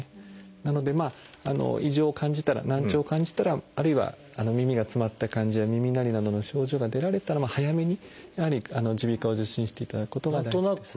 なので異常を感じたら難聴を感じたらあるいは耳が詰まった感じや耳鳴りなどの症状が出られたら早めにやはり耳鼻科を受診していただくことが大事です。